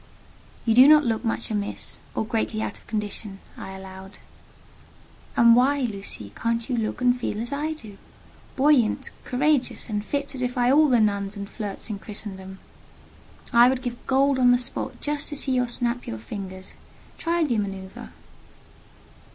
"You do not look much amiss, or greatly out of condition," I allowed. "And why, Lucy, can't you look and feel as I do—buoyant, courageous, and fit to defy all the nuns and flirts in Christendom? I would give gold on the spot just to see you snap your fingers. Try the manoeuvre."